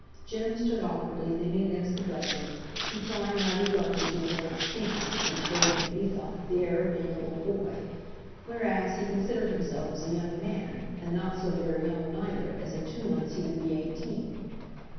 Jem stood awkwardly leaning against the dresser, replying rather gruffly to his aunt's speeches, which gave him, he thought, the air of being a little boy; whereas he considered himself as a young man, and not so very young neither, as in two months he would be eighteen.